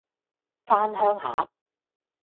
番鄉下